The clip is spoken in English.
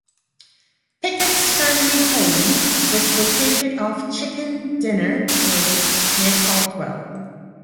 Pickett's family home was located off Chicken Dinner Road, near Caldwell.